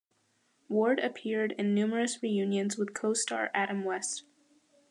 Ward appeared in numerous reunions with co-star Adam West.